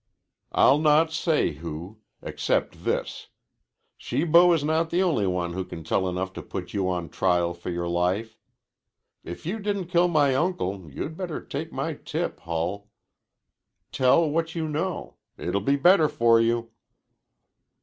"I'll not say who. Except this. Shibo is not the only one who can tell enough to put you on trial for your life. If you didn't kill my uncle you'd better take my tip, Hull. Tell what you know. It'll be better for you."